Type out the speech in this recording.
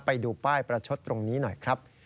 ไปดูป้ายประชดตรงนี้หน่อยครับ